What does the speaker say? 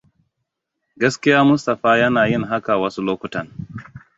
Gaskiya Mustapha yana yin haka wasu lokutan.